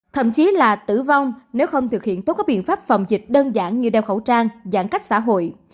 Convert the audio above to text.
thậm chí là tử vong nếu không thực hiện tốt các biện pháp phòng dịch đơn giản như đeo khẩu trang giãn cách xã hội